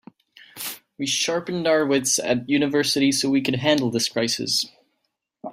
We sharpened our wits at university so we could handle this crisis.